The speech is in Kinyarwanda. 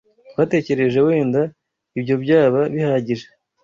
Twatekereje wenda ibyo byaba bihagije.